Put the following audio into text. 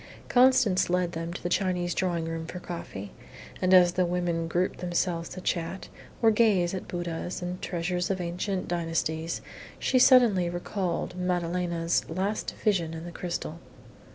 Constance led them to the Chinese drawing room for coffee, and as the women grouped themselves to chat, or gaze at Buddhas and treasures of ancient dynasties, she suddenly recalled Madalena's latest vision in the crystal.